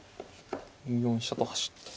２四飛車と走って。